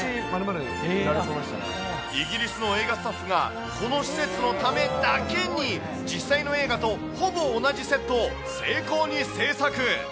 イギリスの映画スタッフがこの施設のためだけに、実際の映画とほぼ同じセットを精巧に製作。